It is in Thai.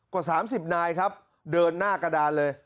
กว่า๓๐นายครับเดินหน้ากระดานเลย